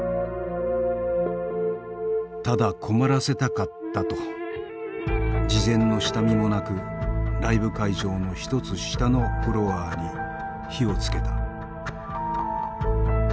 「ただ困らせたかった」と事前の下見もなくライブ会場の１つ下のフロアに火をつけた。